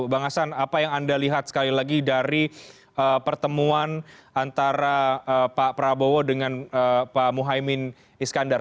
bang hasan apa yang anda lihat sekali lagi dari pertemuan antara pak prabowo dengan pak muhaymin iskandar